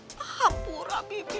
hah pura bibi